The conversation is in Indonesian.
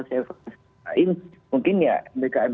mencari mungkin ya mbkm